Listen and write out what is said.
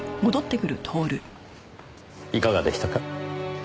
いかがでしたか？